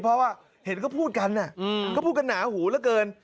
เพราะว่าเห็นก็พูดกันน่ะก็พูดกันนาหูแล้วเกิน